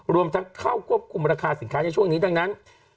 รวมทั้งเข้าควบคุมราคาสินค้าในช่วงนี้ดังนั้น